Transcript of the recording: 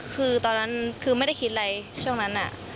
คือตอนนั้นคือไม่ได้คิดอะไรช่วงนั้น